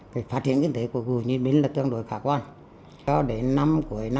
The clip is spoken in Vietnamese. và anh em chúng tôi đang phấn đấu là hết năm hai nghìn một mươi sáu